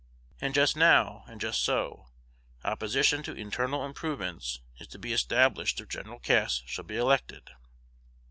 And just now, and just so, opposition to internal improvements is to be established if Gen. Cass shall be elected.